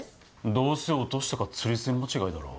どうせ落としたか釣り銭間違いだろ。